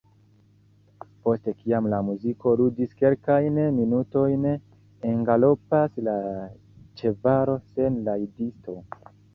Post kiam la muziko ludis kelkajn minutojn, engalopas la ĉevalo sen rajdisto.